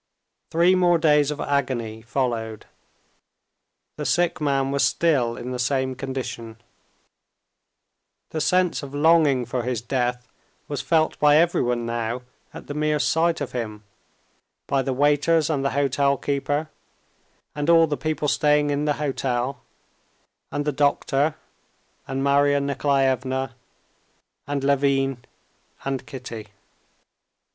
Three more days of agony followed; the sick man was still in the same condition. The sense of longing for his death was felt by everyone now at the mere sight of him, by the waiters and the hotel keeper and all the people staying in the hotel, and the doctor and Marya Nikolaevna and Levin and Kitty.